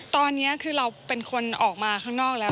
ตอนนี้คือเราเป็นคนออกมาข้างนอกแล้ว